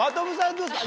どうですか？